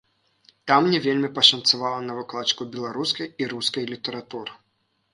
Там мне вельмі пашанцавала на выкладчыкаў беларускай і рускай літаратур.